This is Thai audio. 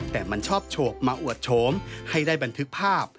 แต่มันชอบโฉกมาอวดโฉมให้ได้บันทึกภาพ